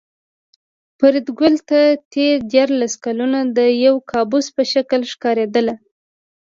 فریدګل ته تېر دیارلس کلونه د یو کابوس په شکل ښکارېدل